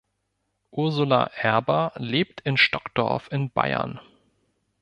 Ursula Erber lebt in Stockdorf in Bayern.